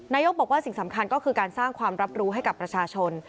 บอกว่าสิ่งสำคัญก็คือการสร้างความรับรู้ให้กับประชาชน